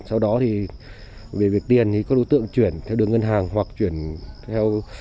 sau đó thì về việc tiền thì các đối tượng chuyển theo đường ngân hàng hoặc chuyển theo